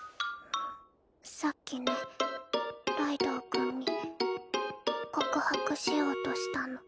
さっきねライドウ君に告白しようとしたの。